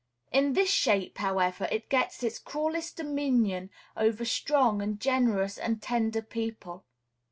In this shape, however, it gets its cruelest dominion over strong and generous and tender people.